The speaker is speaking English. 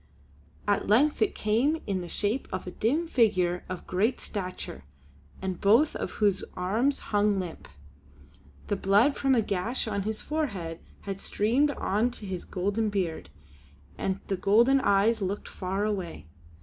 At length it came in the shape of a dim figure of great stature, and both of whose arms hung limp. The blood from a gash on his forehead had streamed on to his golden beard, and the golden eyes looked far away.